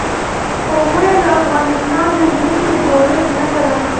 قومونه د افغانستان د ځمکې د جوړښت نښه ده.